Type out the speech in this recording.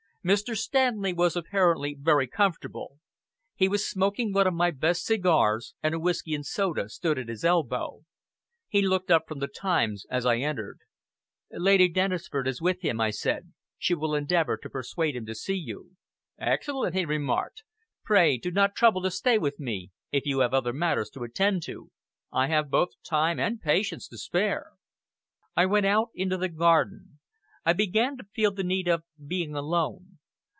Mr. Stanley was apparently very comfortable. He was smoking one of my best cigars, and a whisky and soda stood at his elbow. He looked up from behind the Times as I entered. "Lady Dennisford is with him," I said. "She will endeavor to persuade him to see you." "Excellent!" he remarked. "Pray do not trouble to stay with me, if you have other matters to attend to. I have both time and patience to spare." I went out into the garden. I began to feel the need of being alone.